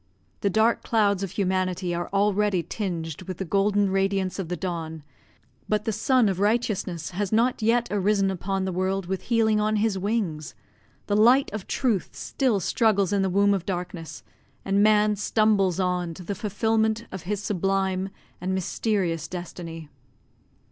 The dark clouds of humanity are already tinged with the golden radiance of the dawn, but the sun of righteousness has not yet arisen upon the world with healing on his wings; the light of truth still struggles in the womb of darkness, and man stumbles on to the fulfilment of his sublime and mysterious destiny.